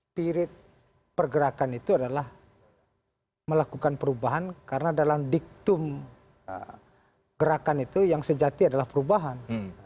spirit pergerakan itu adalah melakukan perubahan karena dalam diktum gerakan itu yang sejati adalah perubahan